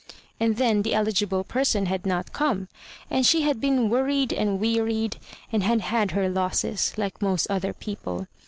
And. then the eligible person had not come, and she had been worried and wearied, and had had her losses, like most other people.